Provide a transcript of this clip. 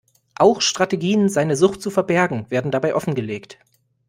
Auch Strategien, seine Sucht zu verbergen, werden dabei offengelegt.